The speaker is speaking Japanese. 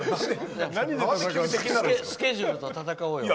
スケジュールで戦おうよ。